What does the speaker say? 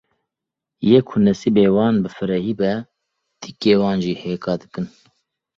Yê ku nesîbê wan bi firehî be, dîkê wan jî hêka dikin.